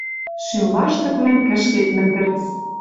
Шӱм лаштыквлӓм кӹшкет мӹндӹрц.